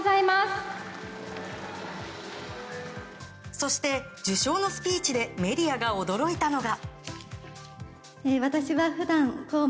そして受賞のスピーチでメディアが驚いたのが。